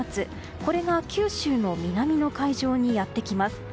これが九州の南の海上にやってきます。